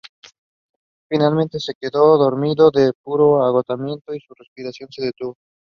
Finalmente, se quedó dormido de puro agotamiento, y su respiración se detuvo.